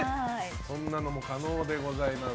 そんなのも可能でございます。